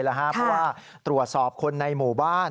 เพราะว่าตรวจสอบคนในหมู่บ้าน